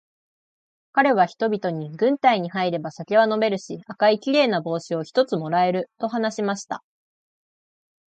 かれは人々に、軍隊に入れば酒は飲めるし、赤いきれいな帽子を一つ貰える、と話しました。